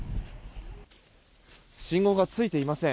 信号がついていません。